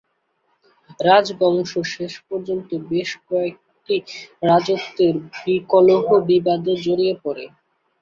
রাজবংশ শেষ পর্যন্ত বেশ কয়েকটি রাজত্বের কলহ-বিবাদে জড়িয়ে পড়ে।